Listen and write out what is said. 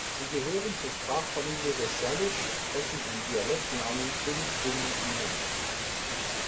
Sie gehören zur Sprachfamilie des Salish, sprechen einen Dialekt namens Hun’qum’i’num.